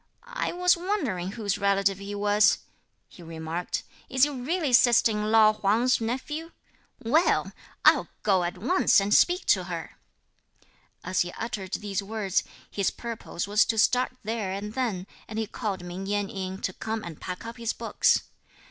"I was wondering whose relative he was," he remarked; "is he really sister in law Huang's nephew? well, I'll go at once and speak to her." As he uttered these words, his purpose was to start there and then, and he called Ming Yen in, to come and pack up his books.